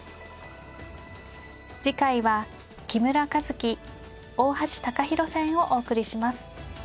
次回は木村一基大橋貴洸戦をお送りします。